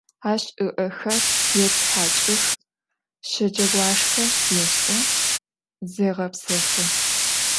Aş ı'exer yêthaç'ıx, şeceğuaşşxe yêş'ı, zêğepsefı.